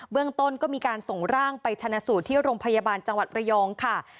เรื่องต้นก็มีการส่งร่างไปชนะสูตรที่โรงพยาบาลจังหวัดระยองค่ะ